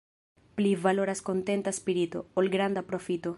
Pli valoras kontenta spirito, ol granda profito.